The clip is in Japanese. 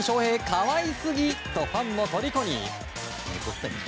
可愛すぎとファンも虜に。